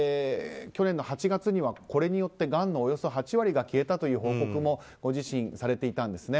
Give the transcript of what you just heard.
去年の８月にはこれによってがんのおよそ８割が消えたという報告もご自身でされていました。